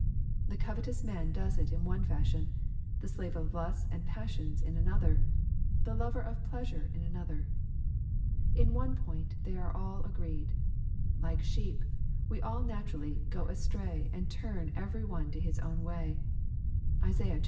The covetous man does it in one fashion, the slave of \ lusts and passions in another, the lover of pleasure in another. In one point only are all agreed. Like sheep, we all naturally "go astray^ and turn every one to his own way." (Isai. liii.